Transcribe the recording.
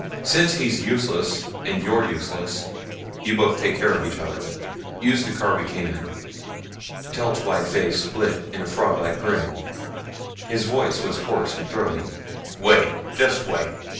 Since he's useless and you're useless, you both take care of each other. Use the car we came in." Telt's wide face split in a froglike grin; his voice was hoarse and throaty. "Wait. Just wait!